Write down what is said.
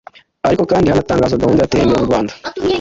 ariko kandi hanatangizwa gahunda ya Tembera u Rwanda